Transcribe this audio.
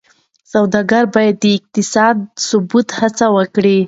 سوداګر باید د اقتصادي ثبات هڅه وکړي.